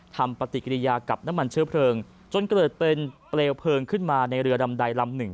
ทำปฏิกิริยากับน้ำมันเชื้อเพลิงจนเกิดเป็นเปลวเพลิงขึ้นมาในเรือลำใดลำหนึ่ง